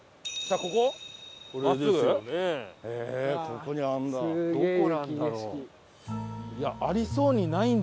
ここにあるんだ。